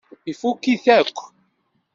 Ifukk-it akk.